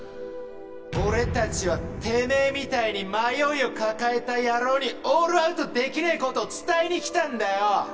俺達はてめえみたいに迷いを抱えた野郎にオールアウトできねえ事を伝えに来たんだよ！